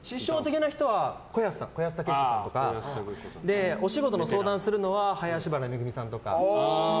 師匠的な人は子安さんとかお仕事の相談するのは林原めぐみさんとか。